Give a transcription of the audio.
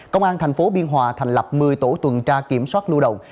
công an thành phố biên hòa thành lập một mươi tổ tuần tra kiểm soát lưu động